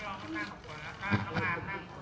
ขอขอบคุณหน่อยนะคะ